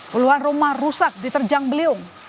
puluhan rumah rusak diterjang beliung